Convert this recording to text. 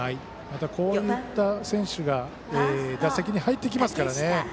またこういった選手が打席に入ってきますからね。